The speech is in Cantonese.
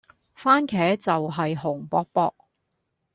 蕃茄就係紅卜卜